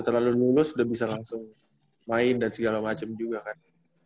setelah lu mulus udah bisa langsung main dan segala macam juga kan